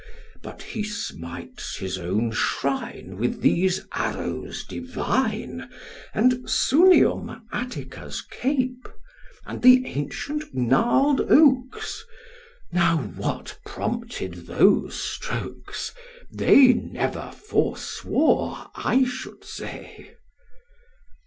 But he smites his own shrine with these arrows divine, and "Sunium, Attica's cape," And the ancient gnarled oaks: now what prompted those strokes? They never forswore I should say.